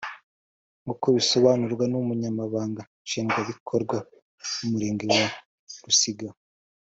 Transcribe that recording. nk’uko bisobanurwa n’umunyamabanga nshingwabikorwa w’umurenge wa Rusiga